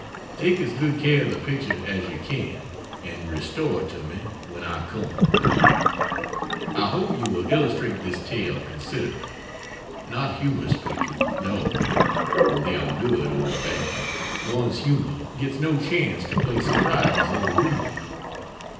Take as good care of the picture as you can and restore it to me when I come. I hope you will illustrate this tale considerably. Not humorous pictures. No. When they are good (or bad) one's humor gets no chance to play surprises on the reader.